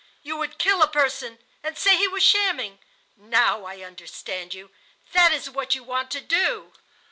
You would kill a person and say he was shamming. Now I understand you. That is what you want to do.